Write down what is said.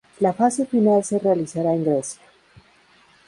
La fase final se realizará en Grecia.